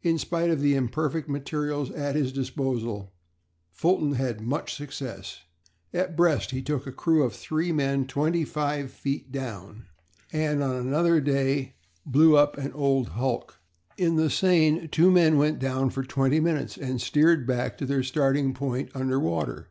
In spite of the imperfect materials at his disposal Fulton had much success. At Brest he took a crew of three men twenty five feet down, and on another day blew up an old hulk. In the Seine two men went down for twenty minutes and steered back to their starting point under water.